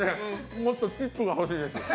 もっとチップが欲しいです。